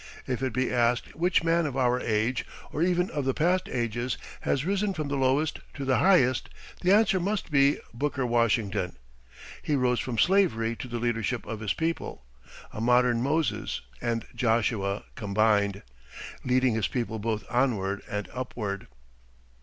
If it be asked which man of our age, or even of the past ages, has risen from the lowest to the highest, the answer must be Booker Washington. He rose from slavery to the leadership of his people a modern Moses and Joshua combined, leading his people both onward and upward.